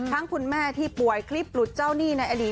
ทั้งคุณแม่ที่ป่วยคลิปปลุดเจ้าหนี้ในแอรี